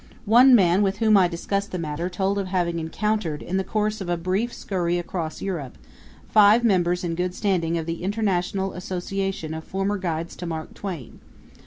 One man with whom I discussed the matter told of having encountered, in the course of a brief scurry across Europe, five members in good standing of the International Association of Former Guides to Mark Twain.